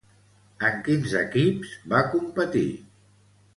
En quins equips va competir?